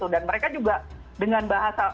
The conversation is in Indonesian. mereka juga dengan bahasa